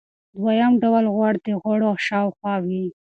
دویم ډول غوړ د غړو شاوخوا وي.